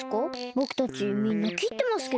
ぼくたちみんなきってますけど。